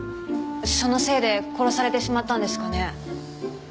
そのせいで殺されてしまったんですかね？